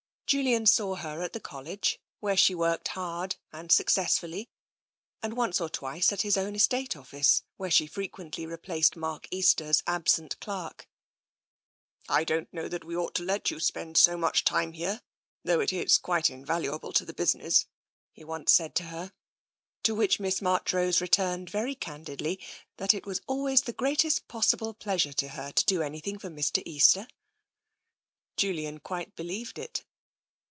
Julian saw her at the College, where she worked hard and successfully, and once or twice at his own estate office, where she frequently replaced Mark Easter's absent clerk. " I don't know that we ought to let you spend so much time here, though it is quite invaluable to the business," he once said to her. To which Miss Marchrose returned very candidly that it was always the greatest possible pleasure to her to do anything for Mr. Easter. Julian quite believed it.